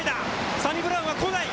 サニブラウンは来ない。